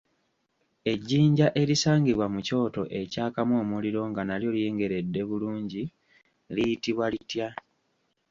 Ejjinja erisangibwa mu kyoto ekyakamu omuliro nga n'alyo lyengeredde bulungi liyitibwa litya?